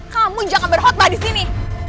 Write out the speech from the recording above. kamu jangan berhotbah disini